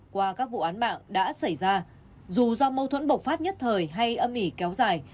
qua các vụ án mạng đã xảy ra dù do mâu thuẫn bộc phát nhất thời hay âm ỉ kéo dài